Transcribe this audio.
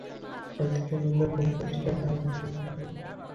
ডঃ সাইদুর রহমান বহু কষ্টে রাগ সামলালেন।